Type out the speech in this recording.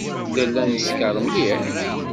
Nella neskeṛ mliḥ.